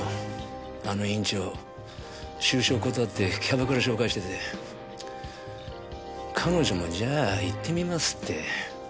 あの院長就職断ってキャバクラ紹介してて彼女もじゃあ行ってみますって。